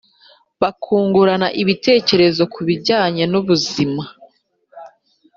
Bakungurana ibitekerezo ku bijyanye n’ubuzima